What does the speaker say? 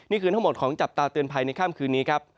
นี่คือทั้งหมดของจับตาเตือนภัยในค่ำคืนนี้ครับ